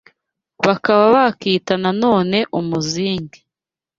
bakaba bakita nanone umuzinge.